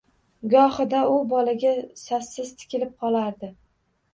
Gohida u bolaga sassiz tikilib qolardi